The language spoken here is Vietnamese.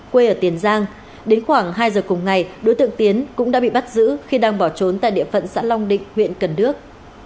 quê ở tiền giang đến khoảng hai giờ cùng ngày đối tượng tiến cũng đã bị bắt giữ khi đang bỏ trốn tại địa phận xã long định huyện cần đước